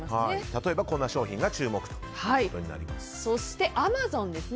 例えばこんな商品が注目ということになります。